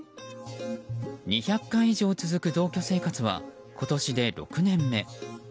２００回以上続く同居生活は今年で６年目。